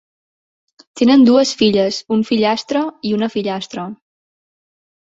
Tenen dues filles, un fillastre i una fillastra.